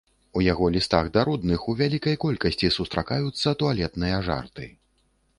У яго лістах да родных у вялікай колькасці сустракаюцца туалетныя жарты.